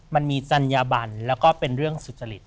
มันมีจัญญาบันแล้วก็เป็นเรื่องสุจริต